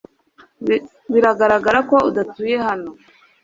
Biragaragara ko udatuye hano .